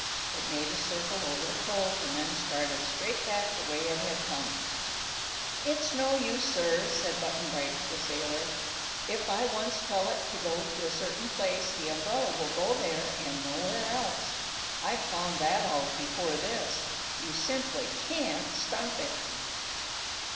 It made a circle over the Cove and then started straight back the way it had come. "It's no use, sir," said Button Bright to the sailor. "If I once tell it to go to a certain place, the umbrella will go there, and nowhere else. I've found that out before this. You simply can't stop it."